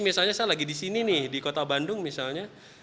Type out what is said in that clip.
misalnya saya lagi di sini nih di kota bandung misalnya